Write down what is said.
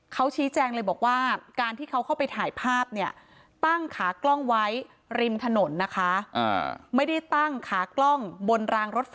เขาชี้แจงเลยบอกว่าการที่เขาเข้าไปถ่ายภาพเนี่ยตั้งขากล้องไว้ริมถนนนะคะ